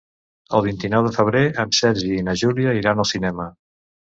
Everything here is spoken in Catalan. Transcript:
El vint-i-nou de febrer en Sergi i na Júlia iran al cinema.